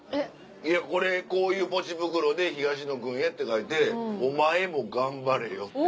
これこういうポチ袋で「東野君へ」って書いて「お前も頑張れよ」って。